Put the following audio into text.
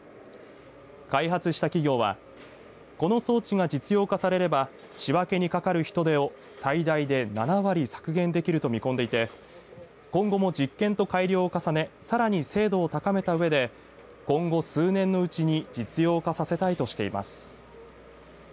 開発した企業はこの装置が実用化されれば仕分けにかかる人手を最大で７割削減できると見込んでいて今後も実験と改良を重ねさらに精度を高めたうえで今後、数年のうちに実用化させたいとしています。